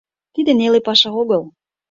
Тиде неле паша огыл.